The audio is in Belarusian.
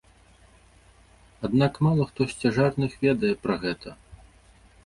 Аднак мала хто з цяжарных ведае пра гэта!